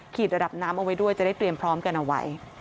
ระดับน้ำเอาไว้ด้วยจะได้เตรียมพร้อมกันเอาไว้